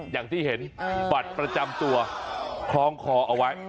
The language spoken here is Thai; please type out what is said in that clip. อย่างที่เห็นบัตรประจำตัวคล้องคอเอาไว้